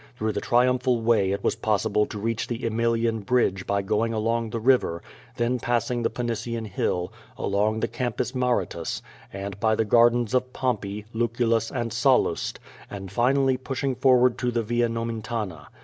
Through the Tri umphal Way it was possible to reach the Aemilian Bridge by going along the river, then passing the Pincian Hill, along 330 Q^<> VADTS. the Campus Maritus, and by the gardens of Pompey, LucuUus and Sallust, and finally pushing forward to the Via Nomen tana.